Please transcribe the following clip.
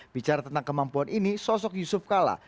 bicara tentang kemampuan ini sosok yusuf kala